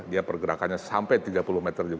dia pergerakannya sampai tiga puluh meter